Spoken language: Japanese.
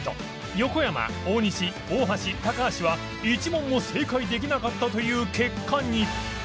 横山大西大橋高橋は１問も正解できなかったという結果に